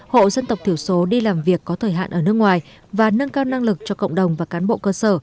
hộ dân tộc thiểu số đi làm việc có thời hạn ở nước ngoài và nâng cao năng lực cho cộng đồng và cán bộ cơ sở